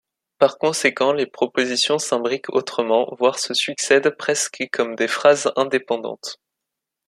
Par conséquent, les propositions s'imbriquent autrement, voire se succèdent presque comme des phrases indépendantes.